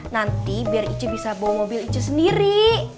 nanti biar ice bisa bawa mobil ice sendiri